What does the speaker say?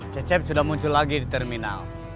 cecep sudah muncul lagi di terminal